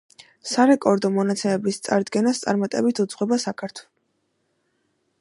სარეკორდო მონაცემების წარდგენას წარმატებით უძღვება საქართვ.